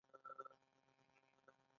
د افغانستان دوستان ډیر دي